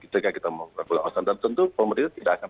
tentu pemerintah tidak akan